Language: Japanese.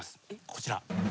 こちら。